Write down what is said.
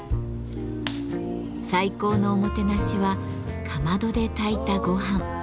最高のおもてなしはかまどで炊いたごはん。